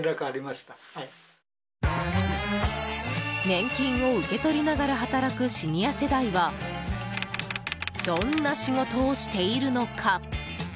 年金を受け取りながら働くシニア世代はどんな仕事をしているのか？